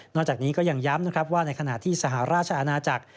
นอกจากนี้ก็ยังย้ามว่าในขณะที่สหราชอาณาจักร